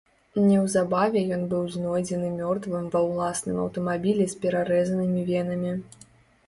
Неўзабаве ён быў знойдзены мёртвым ва ўласным аўтамабілі з перарэзанымі венамі.